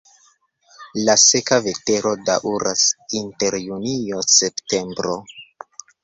La seka vetero daŭras inter junio-septembro.